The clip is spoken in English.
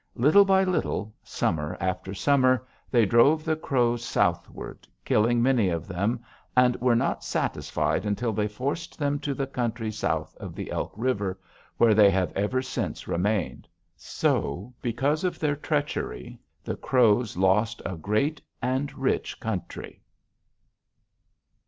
Little by little, summer after summer, they drove the Crows southward, killing many of them, and were not satisfied until they forced them to the country south of the Elk River, where they have ever since remained. So, because of their treachery, the Crows lost a great and rich country."